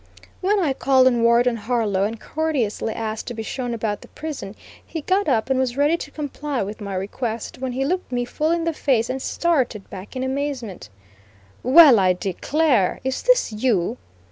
When I called on Warden Harlow, and courteously asked to be shown about the prison, he got up and was ready to comply with my request, when he looked me full in the face and started back in amazement: "Well, I declare! Is this you?"